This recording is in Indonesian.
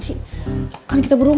sampai jumpa lagi